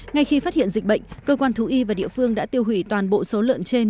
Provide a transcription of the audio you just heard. ngay khi phát hiện dịch bệnh cơ quan thú y và địa phương đã tiêu hủy toàn bộ số lợn trên